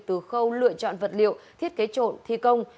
từ khâu lựa chọn vật liệu thiết kế trộn thi công